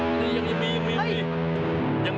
ไม่ใช่นี่มันตีคิมไม่ใช่